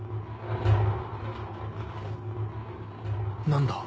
何だ？